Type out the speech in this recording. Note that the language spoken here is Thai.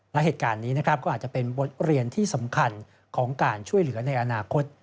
และเหตุการณ์นี้นะครับก็อาจจะเป็นบทเรียนที่สำคัญของการช่วยเหลือในอนาคต